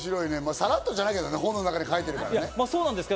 さらっとじゃないけどね、本の中に書いてるから。